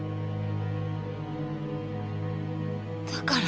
だから。